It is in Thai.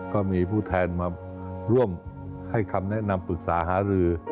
ก็มีผู้แทนมาร่วมให้คำแนะนำปรึกษาหารือ